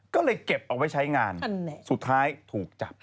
ก็เลยเก็บเอาไว้ใช้งานสุดท้ายถูกจับ